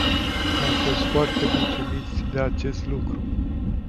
Am fost foarte mulțumiți de acest lucru.